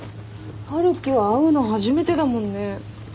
春樹は会うの初めてだもんね。